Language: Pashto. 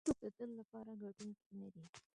هېڅوک د تل لپاره ګټونکی نه دی.